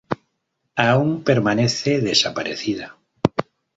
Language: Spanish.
Aún permanece desaparecida.